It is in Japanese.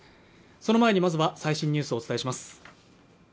その前にまずは最新ニュースをお伝えします。